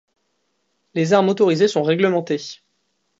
Les armes autorisées sont réglementées.